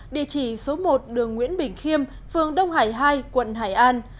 địa chỉ số một đường nguyễn bình khiêm phường đông hải hai quận hải an